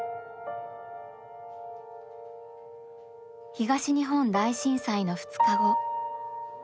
東日本大震災の２日後。